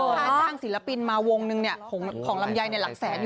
พวกผู้จัดท่านสิริปินมาวงหนึ่งเนี้ยของของลำยัยในหลักแสนใช่